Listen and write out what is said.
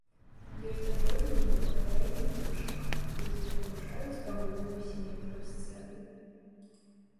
Ёсць адрозненні ў апярэнні птушак, якія парушаюць агульную сіметрыю сцэны.